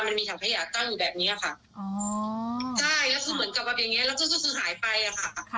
ว่าเขาไม่ได้ใส่เสื้อผ้าแล้วนอนอยู่แล้วก็กำลังยื่นมือถือเข้าไปอีกอ่ะค่ะ